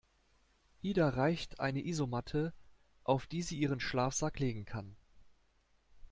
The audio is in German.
Ida reicht eine Isomatte, auf die sie ihren Schlafsack legen kann.